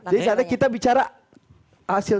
jadi kita bicara hasil